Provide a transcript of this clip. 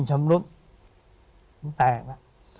ชำรุดแตกละ